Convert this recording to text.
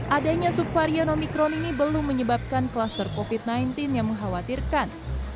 adanya subvarian omikron ini belum menyebabkan kluster covid sembilan belas yang mengkhawatirkan